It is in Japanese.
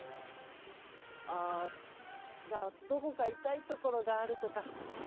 あじゃあどこかいたいところがあるとか？